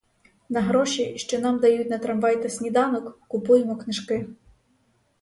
На гроші, що нам дають на трамвай та сніданок, купуємо книжки.